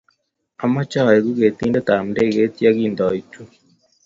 Ameche aleku ketindetab ndeget ya kintoitu